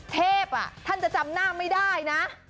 เทพท่านจะจำหน้าไม่ได้นะ